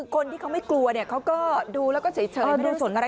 คนที่เขาไม่กลัวเขาก็ดูแล้วก็เฉยไม่รู้สนอะไร